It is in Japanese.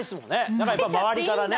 なんかやっぱ周りからね。